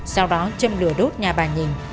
sau đó châm lửa đốt nhà bà nhìn